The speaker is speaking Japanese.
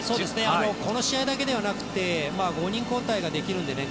この試合だけではなくて５人交代ができるんでね。